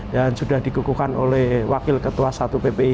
dan sudah diguguhkan oleh wakil ketua satu ppih